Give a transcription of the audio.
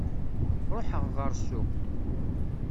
Ruḥeɣ ɣer ssuq.